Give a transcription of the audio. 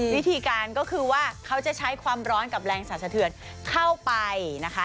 วิธีการก็คือว่าเขาจะใช้ความร้อนกับแรงสัดสะเทือนเข้าไปนะคะ